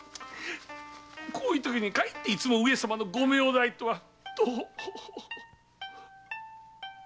こういうときに限っていつも「上様のご名代」とはトホホ。